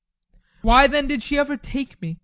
Why, then, did she ever take me? GUSTAV.